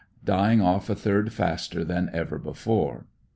Dy ing oif a third faster than ever before.